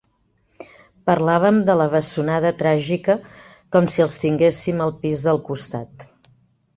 Parlàvem de la bessonada tràgica com si els tinguéssim al pis del costat.